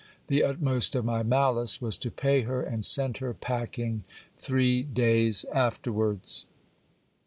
The utmost of my malice was to pay her and send her packing three days afterwards.